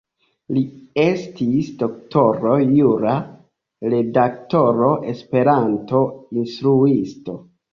Li estis doktoro jura, redaktoro, Esperanto-instruisto.